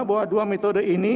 bahwa dua metode ini